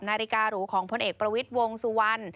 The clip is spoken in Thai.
นาฬิการูของพลเอกประวิทย์วงสุวรรณ